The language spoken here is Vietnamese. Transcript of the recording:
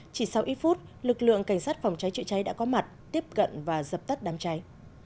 chỉ sau ít phút lực lượng cảnh sát phòng cháy chữa cháy đã có mặt tiếp cận và dập tắt đám cháy